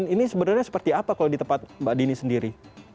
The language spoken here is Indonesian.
ini sebenarnya seperti apa kalau di tempat mbak dini sendiri